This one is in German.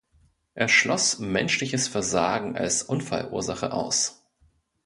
Er schloss menschliches Versagen als Unfallursache aus.